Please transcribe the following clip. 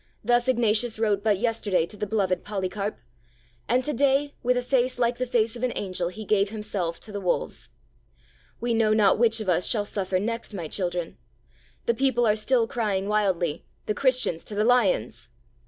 Thus Ignatius wrote but yesterday to the beloved Polycarp; and to day, with a face like the face of an angel, he gave himself to the wolves. We know not which of us shall suffer next, my children. The people are still crying wildly, "The Christians to the lions!"